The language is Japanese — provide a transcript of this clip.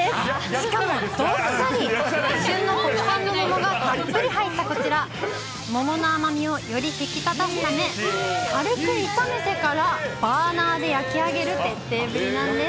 しかもどっさり、旬の国産の桃がたっぷり入ったこちら、桃の甘みをより引き立たすため、軽く炒めてから、バーナーで焼き上げる徹底ぶりなんです。